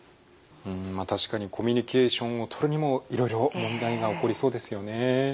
まあ確かにコミュニケーションをとるにもいろいろ問題が起こりそうですよね。